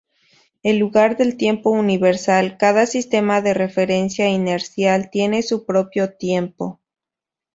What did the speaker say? En lugar del tiempo universal, cada sistema de referencia inercial tiene su propio tiempo.